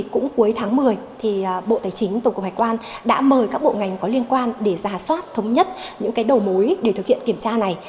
cũng cuối tháng một mươi bộ tài chính tổng cục hải quan đã mời các bộ ngành có liên quan để giả soát thống nhất những đầu mối để thực hiện kiểm tra này